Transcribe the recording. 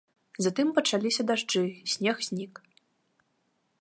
Затым пачаліся дажджы, снег знік.